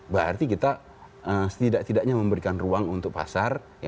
berarti kita setidak tidaknya memberikan ruang untuk pasar